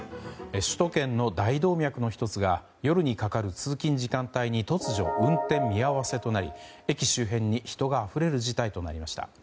首都圏の大動脈の１つが夜にかかる通勤時間帯に突如、運転見合わせとなり駅周辺に人があふれる事態となりました。